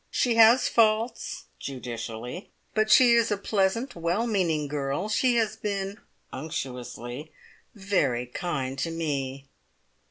She has faults (judicially), but she is a pleasant, well meaning girl. She has been (unctuously) very kind to me."